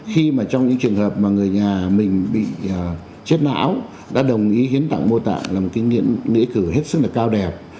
khi mà trong những trường hợp mà người nhà mình bị chết não đã đồng ý hiến tạng mô tạng là một cái nghĩa cử hết sức là cao đẹp